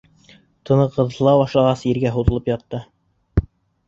Тыны ҡыҫыла башлағас, ергә һуҙылып ятты.